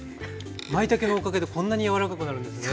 まいたけのおかげでこんなに柔らかくなるんですね。